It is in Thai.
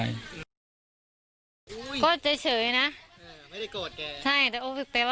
แล้วอันนี้ก็เปิดแล้ว